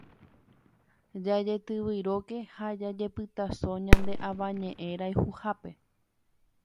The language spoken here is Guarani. Jajetyvyróke ha jajepytaso ñane Avañeʼẽ rayhupápe.